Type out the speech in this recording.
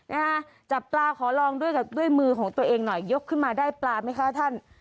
นะฮะจับปลาขอลองด้วยกับด้วยมือของตัวเองหน่อยยกขึ้นมาได้ปลาไหมคะท่าน